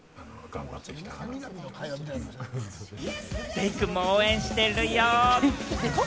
デイくんも応援してるよ。